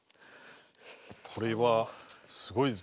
これはすごいです。